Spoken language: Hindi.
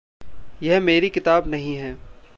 यह मेरी किताब नहीं है।